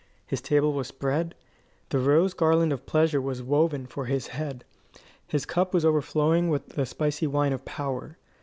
His table was spread; the rose garland of pleasure was woven for his head; his cup was overflowing with the spicy wine of power.